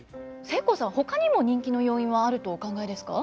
せいこうさんほかにも人気の要因はあるとお考えですか。